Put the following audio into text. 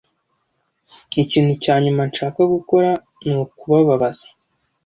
Ikintu cya nyuma nshaka gukora ni ukubabaza.